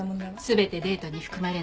全てデートに含まれないわ。